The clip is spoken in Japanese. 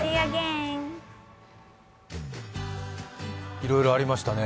いろいろありましたね。